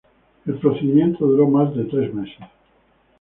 El procedimiento duró más de tres meses.